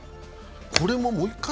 これももう一回？